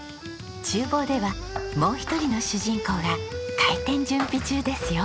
厨房ではもう一人の主人公が開店準備中ですよ。